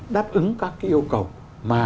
đáp ứng các cái yêu cầu mà